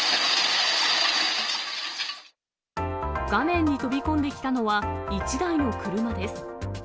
画面に飛び込んできたのは、１台の車です。